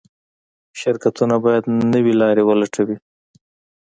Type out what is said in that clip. شرکتونه باید نوې لارې ولټوي.